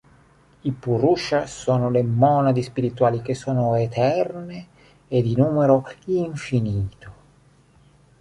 I "puruṣa" sono le monadi spirituali, che sono eterne e di numero infinito.